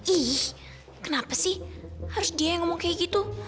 ih kenapa sih harus dia yang ngomong kayak gitu